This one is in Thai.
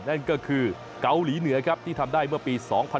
นั่นก็คือเกาหลีเหนือครับที่ทำได้เมื่อปี๒๕๖๒